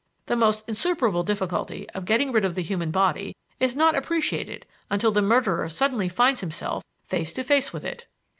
The almost insuperable difficulty of getting rid of the human body is not appreciated until the murderer suddenly finds himself face to face with it.